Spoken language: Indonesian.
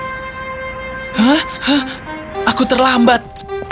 hah aku terlambat